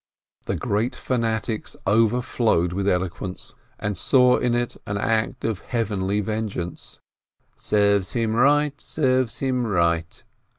The great fanatics overflowed with eloquence, and saw in it an act of Heavenly vengeance. "Serves him right! Serves him right!"